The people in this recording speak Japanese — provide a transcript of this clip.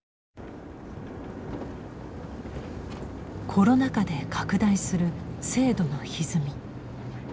コロナ禍で拡大する制度の歪み。